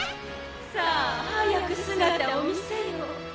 さあ早く姿を見せよ！